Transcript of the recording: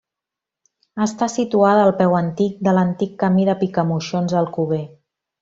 Està situada al peu antic de l'antic camí de Picamoixons a Alcover.